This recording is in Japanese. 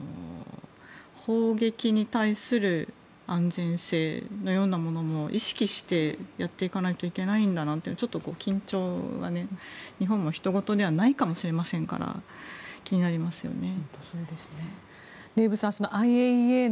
砲撃に対する安全性のようなものも意識してやっていかないといけないんだなとちょっと緊張が日本もひと事ではないかもしれないですから気になりますよね。